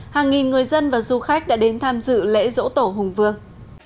hàng nghìn người dân và du khách đã đến tham dự lễ dỗ tổ hùng vương